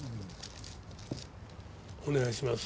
お願いします。